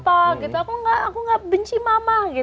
aku enggak benci mama